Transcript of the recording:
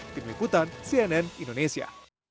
tim ikutan cnn indonesia